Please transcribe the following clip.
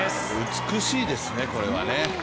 美しいですね、これはね。